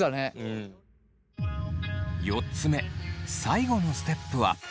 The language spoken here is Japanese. ４つ目最後のステップは。